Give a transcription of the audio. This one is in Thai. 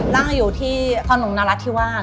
นั่งอยู่ที่ครอนุนรัฐที่วาค